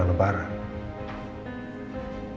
anda masih aja punya mimpi